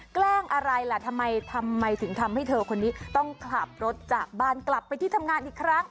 แกล้งอะไรล่ะทำไมทำไมถึงทำให้เธอคนนี้ต้องขับรถจากบ้านกลับไปที่ทำงานอีกครั้ง